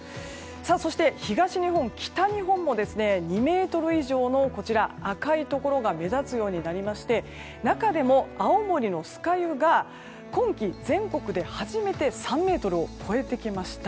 そして東日本、北日本も２ｍ以上の赤いところが目立つようになりまして中でも、青森の酸ヶ湯が今季全国で初めて３ｍを超えてきました。